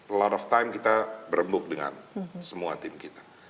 a lot of time kita beremuk dengan semua tim kita